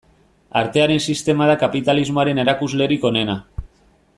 Artearen sistema da kapitalismoaren erakuslerik onena.